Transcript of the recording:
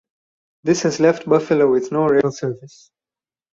This has left Buffalo with no rail service.